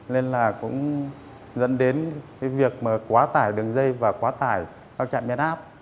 nên cũng dẫn đến việc quá tải đường dây và quá tải các trạm biên áp